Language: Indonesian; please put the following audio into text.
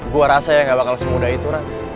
gue rasa ya gak bakal semudah itu